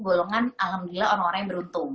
golongan alhamdulillah orang orang yang beruntung